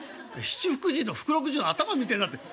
七福神の福禄寿の頭みてえになって。